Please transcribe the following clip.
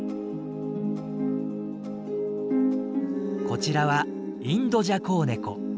こちらはインドジャコウネコ。